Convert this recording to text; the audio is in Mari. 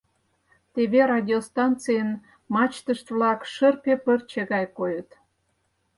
Теве радиостанцийын мачтышт-влак шырпе пырче гай койыт.